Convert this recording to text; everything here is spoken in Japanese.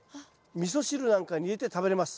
みそ汁なんかに入れて食べれます。